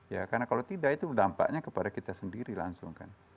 ya karena kalau tidak itu dampaknya kepada kita sendiri langsung kan